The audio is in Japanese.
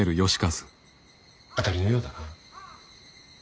当たりのようだな。